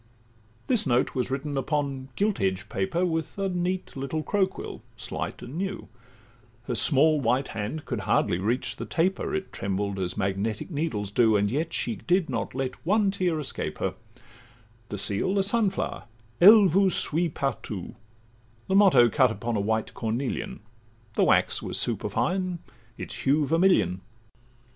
This note was written upon gilt edged paper With a neat little crow quill, slight and new: Her small white hand could hardly reach the taper, It trembled as magnetic needles do, And yet she did not let one tear escape her; The seal a sun flower; 'Elle vous suit partout,' The motto cut upon a white cornelian; The wax was superfine, its hue vermilion.